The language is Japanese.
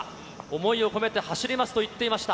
想いを込めて走りますと言っていました。